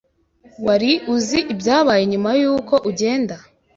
Wari uzi ibyabaye nyuma yuko ugenda?”